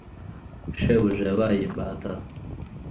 shebuja yabaye imbata